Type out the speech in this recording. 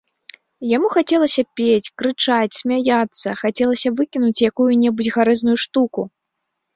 Яму хацелася пець, крычаць, смяяцца, хацелася выкінуць якую-небудзь гарэзную штуку.